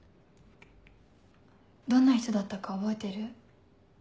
どんな人だったか覚えてる？